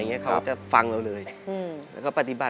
เขาจะฟังเราเลยแล้วก็ปฏิบัติ